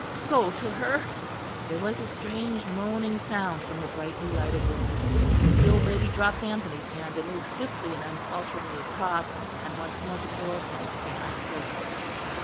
Go to her." There was a strange moaning sound from the brightly lighted room. The old lady dropped Anthony's hand and moved swiftly and unfalteringly across, and once more the door closed behind her.